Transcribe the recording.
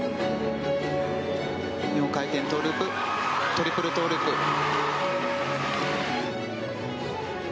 ４回転トウループトリプルトウループ。